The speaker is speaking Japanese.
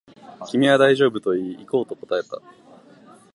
君は大丈夫と言い、行こうと答えた